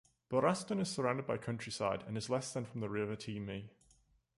Boraston is surrounded by countryside and is less than from the River Teme.